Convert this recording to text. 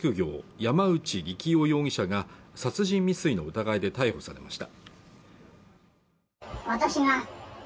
山口利喜夫容疑者が殺人未遂の疑いで逮捕されました